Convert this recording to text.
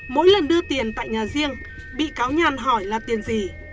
mỗi lần đưa tiền tại nhà riêng bị cáo nhàn hỏi là tiền gì